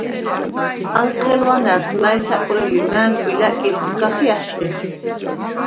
ალ ჴელუ̂ანა̈რს, მა̈ჲ საკუ̂რელ ლი, მა̈ნკუ̂ი ლა̈კირ ოთგახ ი ა̈შხიხ.